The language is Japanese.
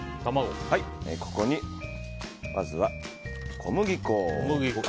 ここにまずは小麦粉。